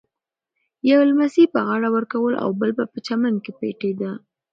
یوه لمسي به غاړه ورکوله او بل به په چمن کې پټېده.